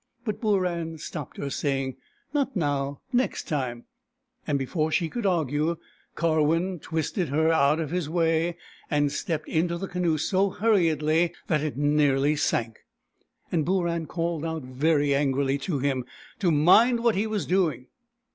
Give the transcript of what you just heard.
But Booran stopped her, saying, " Not now — next time !"— and before she could argue, Karwin twisted her out of his way, and stepped into the canoe so hurriedly that it nearly sank, and Booran called out very angi ily to him to mind what he was doing.